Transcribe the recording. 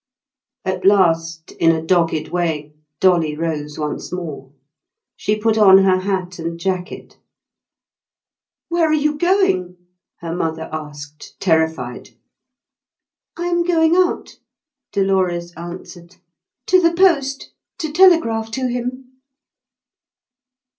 At last, in a dogged way, Dolly rose once more. She put on her hat and jacket. "Where are you going?" her mother asked, terrified. "I am going out," Dolores answered, "to the post, to telegraph to him."